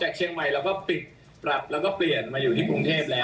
เชียงใหม่เราก็ปิดปรับแล้วก็เปลี่ยนมาอยู่ที่กรุงเทพแล้ว